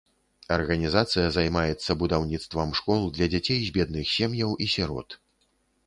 Арганізацыя займаецца будаўніцтвам школ для дзяцей з бедных сем'яў і сірот.